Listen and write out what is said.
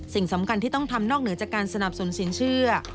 สิ่งสำคัญที่ต้องทำนอกเหนือจากการสนับสนุนสินเชื่อ